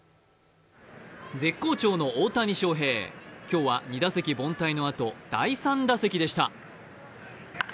絶好調の大谷翔平、今日は２打席凡退のあと、第３打席でした。